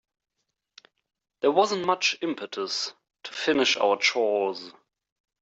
There wasn't much impetus to finish our chores.